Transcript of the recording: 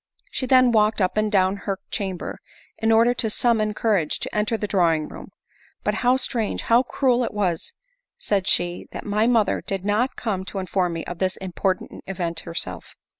She then walked up and down her chamber, in order to summon courage to enter the drawing room. " But how strange, how cruel it was," said she, " that my mother did not come to inform me of this important event herself!"